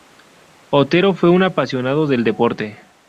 Otero fue un apasionado del deporte.